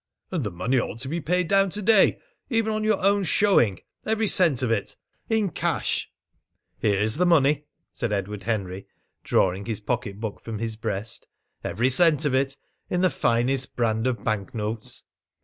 "And the money ought to be paid down to day, even on your own showing every cent of it, in cash." "Here is the money," said Edward Henry, drawing his pocketbook from his breast. "Every cent of it, in the finest brand of bank notes!"